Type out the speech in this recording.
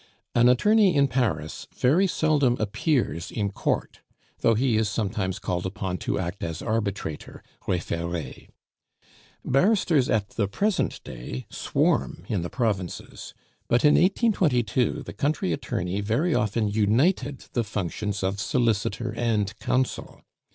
An attorney in Paris very seldom appears in court, though he is sometimes called upon to act as arbitrator (refere). Barristers, at the present day, swarm in the provinces; but in 1822 the country attorney very often united the functions of solicitor and counsel.